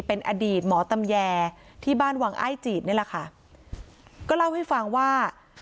เป็นอดีตหมอตำแยที่บ้านวังอ้ายจีดนี่แหละค่ะก็เล่าให้ฟังว่า